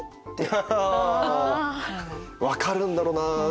分かるんだろうな。